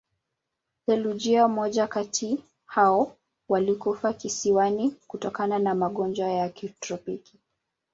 Theluji moja kati hao walikufa kisiwani kutokana na magonjwa ya kitropiki.